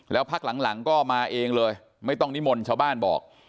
แล้วพักหลังก็มาเองเลยไม่ต้องนิมนต์ชาวบ้านบอก